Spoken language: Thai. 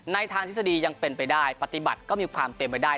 ทางทฤษฎียังเป็นไปได้ปฏิบัติก็มีความเป็นไปได้